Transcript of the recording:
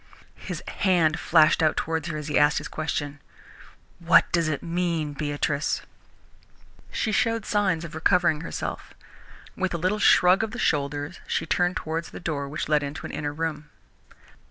His hand flashed out towards her as he asked his question. "What does it mean, Beatrice?" She showed signs of recovering herself. With a little shrug of the shoulders she turned towards the door which led into an inner room.